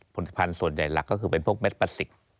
ผลิตภัณฑ์ส่วนใหญ่หลักก็คือเป็นพวกเม็ดพลาสติก